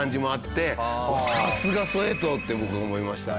さすがソウェト！って僕思いました。